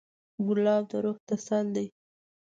ګلاب د روح تسل دی.